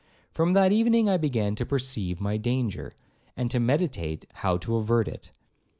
From that evening I began to perceive my danger, and to meditate how to avert it.